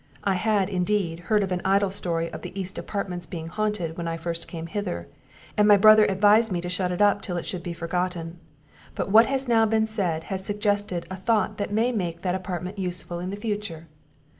I had, indeed, heard of an idle story of the east apartment's being haunted, when first I came hither, and my brother advised me to shut it up till it should be forgotten; but what has now been said, has suggested a thought that may make that apartment useful in future.